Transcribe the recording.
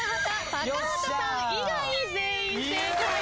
高畑さん以外全員正解です。